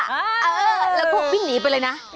เออแล้วพวกพี่หนีไปเลยนะ